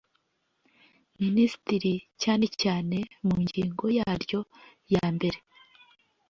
Minisitiri cyane cyane mu ngingo yaryo yambere